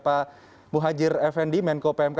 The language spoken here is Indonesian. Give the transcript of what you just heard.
pak muhajir effendi menko pmk